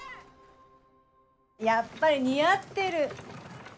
やっぱり似合ってる。